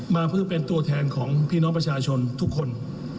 มาเพื่อเป็นตัวแทนของพี่น้องประชาชนทุกคน